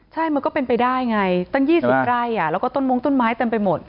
ใช่มันก็เป็นไปได้ไงตั้ง๒๐ไร่แล้วก็ต้นมงต้นไม้เต็มไปหมด